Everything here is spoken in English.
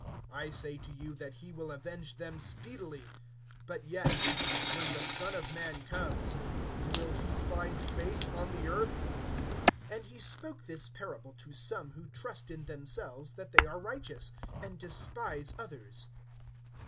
(8)I say to you, that he will avenge them speedily. But yet, when the Son of man comes, will he find faith on the earth? (9)And he spoke this parable to some who trust in themselves that they are righteous, and despise others.